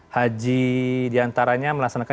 haji diantaranya melaksanakan